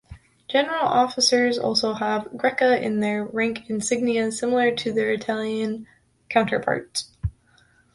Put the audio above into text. General officers also have Greca in their rank insignia similar to their Italian counterparts.